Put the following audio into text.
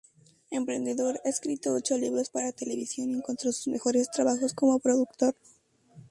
Emprendedor, ha escrito ocho libros para televisión y encontró sus mejores trabajos como productor.